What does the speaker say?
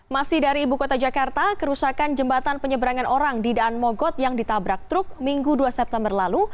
masih dari ibu kota jakarta kerusakan jembatan penyeberangan orang di daan mogot yang ditabrak truk minggu dua september lalu